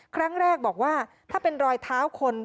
ครั้งแรกบอกว่าถ้าเป็นรอยเท้าคน